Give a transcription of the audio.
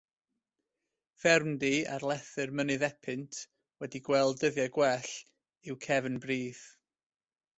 Ffermdy ar lethr mynydd Epynt, wedi gweld dyddiau gwell, yw Cefn Brith.